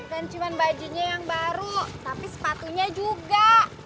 dan cuma bajunya yang baru tapi sepatunya juga